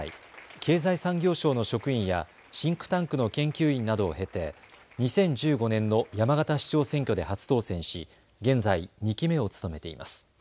経済産業省の職員やシンクタンクの研究員などを経て２０１５年の山形市長選挙で初当選し現在２期目を務めています。